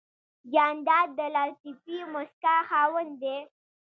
جانداد د لطیفې موسکا خاوند دی.